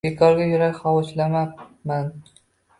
Bekorga yurak hovuchlabman